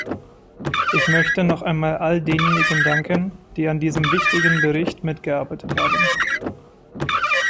Ich möchte noch einmal all denjenigen danken, die an diesem wichtigen Bericht mitgearbeitet haben.